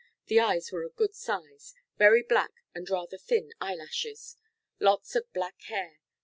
The eyes were a good size, very black with rather thin eyelashes. Lots of black hair.